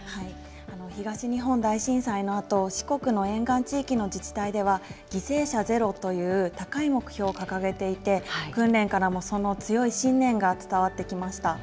東日本大震災のあと、四国の沿岸地域の自治体では、犠牲者ゼロという高い目標を掲げていて、訓練からもその強い信念が伝わってきました。